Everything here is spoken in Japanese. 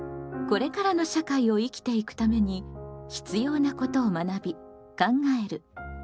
これからの社会を生きていくために必要なことを学び考える「公共」。